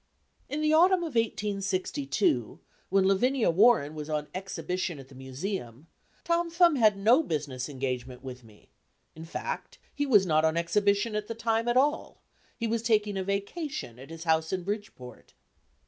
In the autumn of 1862, when Lavinia Warren was on exhibition at the Museum, Tom Thumb had no business engagement with me; in fact, he was not on exhibition at the time at all; he was taking a "vacation" at his house in Bridgeport.